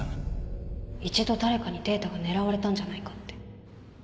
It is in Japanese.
一度誰かにデータが狙われたんじゃないかって